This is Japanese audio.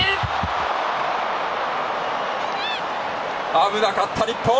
危なかった、日本。